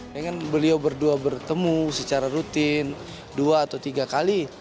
ini kan beliau berdua bertemu secara rutin dua atau tiga kali